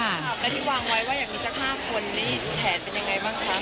แล้วที่วางไว้ว่าอย่างนี้สัก๕คนนี่แผนเป็นยังไงบ้างคะ